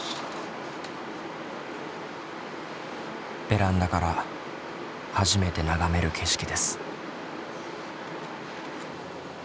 ベランダから初めて眺める景色です。